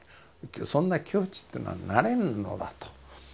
そんな境地ってのはなれんのだと。